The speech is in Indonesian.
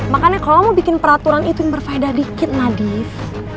makanya kalau mau bikin peraturan itu yang berfaedah dikit nadif